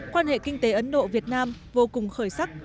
quan hệ kinh tế ấn độ việt nam vô cùng khởi sắc